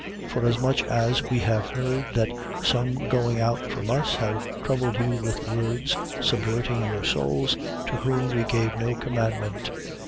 15:24. Forasmuch as we have heard that some going out from us have troubled you with words, subverting your souls, to whom we gave no commandment: 15:25.